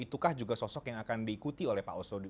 itukah juga sosok yang akan diikuti oleh pak oso